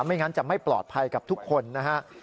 ไม่งั้นจะไม่ปลอดภัยกับทุกคนนะฮะ